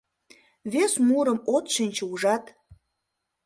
Вес мурым от шинче, ужат».